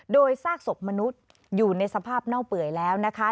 โดยซากศพมนุษย์อยู่ในสภาพเน่าเปื่อยแล้วนะคะ